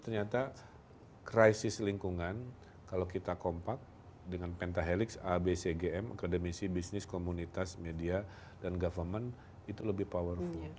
ternyata krisis lingkungan kalau kita kompak dengan pentahelix abcgm akademisi bisnis komunitas media dan government itu lebih powerful